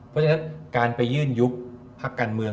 เพราะฉะนั้นการไปยื่นยุบพักการเมือง